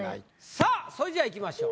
さあそれじゃあいきましょう。